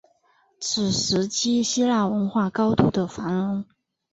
此时期希腊文化高度的繁荣